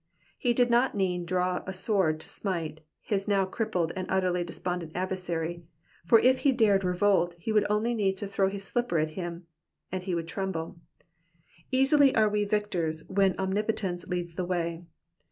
He did not need draw a sword to smite bis now crippled and utterly despondent adversary, for if he dared revolt he would only need to throw his slipper at him, and he would tremble. Easily are we victors when Omnipotence leads the way.